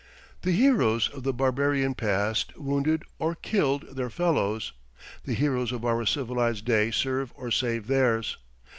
The heroes of the barbarian past wounded or killed their fellows; the heroes of our civilized day serve or save theirs.